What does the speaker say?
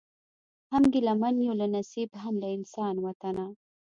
هم ګیله من یو له نصیب هم له انسان وطنه